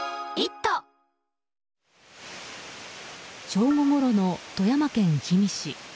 正午ごろの富山県氷見市。